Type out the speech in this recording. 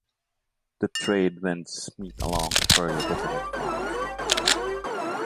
The trade winds meet along a fairly definite front.